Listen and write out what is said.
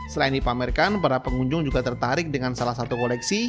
selain dipamerkan para pengunjung juga tertarik dengan salah satu koleksi